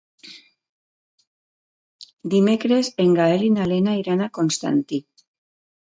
Dimecres en Gaël i na Lena iran a Constantí.